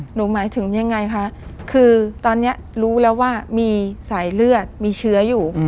หมายถึงยังไงคะคือตอนนี้รู้แล้วว่ามีสายเลือดมีเชื้ออยู่